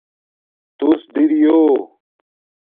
تُݸس دریݸ